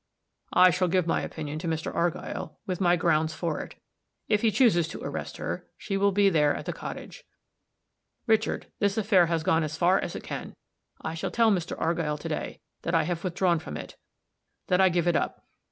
I shall give my opinion to Mr. Argyll, with my grounds for it; if he chooses to arrest her, she will be there at the cottage. Richard, this affair has gone as far as it can! I shall tell Mr. Argyll, to day, that I have withdrawn from it that I give it up.